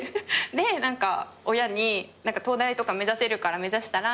で親に東大とか目指せるから目指したら？